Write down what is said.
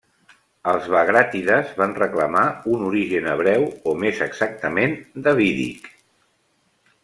Els bagràtides van reclamar un origen hebreu o més exactament davídic.